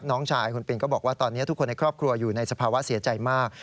น้องชายคุณปินก็บอกว่าตอนนี้ทุกคนในครอบครัวอยู่ในสภาวะเสียใจมาก